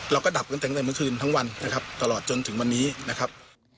ดับกันตั้งแต่เมื่อคืนทั้งวันนะครับตลอดจนถึงวันนี้นะครับ